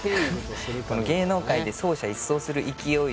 この「芸能界で走者一掃する勢いで」